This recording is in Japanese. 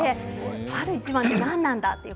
春一番って何なんだって。